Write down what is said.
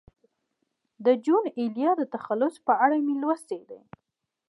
د جون ایلیا د تخلص په اړه مې لوستي دي.